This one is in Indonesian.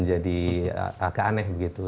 agak aneh begitu